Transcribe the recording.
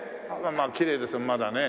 きれいですよまだね。